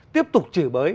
tiếp tục trừ bới